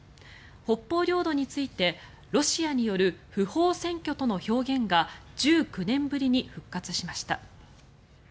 北方領土についてロシアによる不法占拠との表現が１９年ぶりに復活しました。